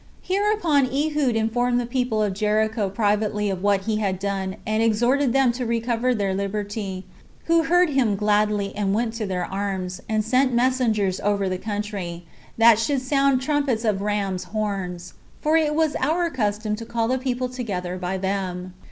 3. Hereupon Ehud informed the people of Jericho privately of what he had done, and exhorted them to recover their liberty; who heard him gladly, and went to their arms, and sent messengers over the country, that should sound trumpets of rams' horns; for it was our custom to call the people together by them.